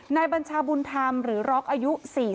บัญชาบุญธรรมหรือร็อกอายุ๔๐